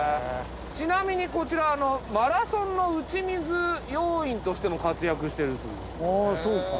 ちなみにこちらマラソンの打ち水要員としても活躍してるという。